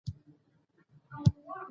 اوس د هېندارې غوندې سپينه ده